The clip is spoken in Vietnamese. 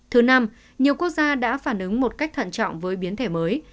thứ năm nhiều quốc gia đã phản ứng một cách thận trọng với biến thể mới